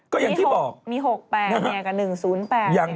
ก็อย่างที่บอกมี๖๘เนี่ยกับ๑๐๘